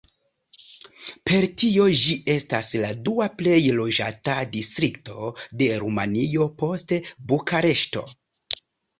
Per tio ĝi estas la dua plej loĝata distrikto de Rumanio, post Bukareŝto.